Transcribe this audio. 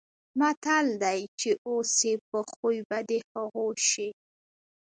متل دی: چې اوسې په خوی به د هغو شې.